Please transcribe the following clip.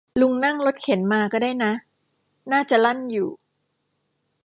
ลุงนั่งรถเข็นมาก็ได้นะ น่าจะลั่นอยู่